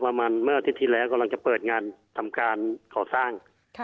เมื่ออาทิตย์ที่แล้วกำลังจะเปิดงานทำการก่อสร้าง